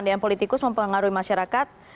dari mana politikus mempengaruhi masyarakat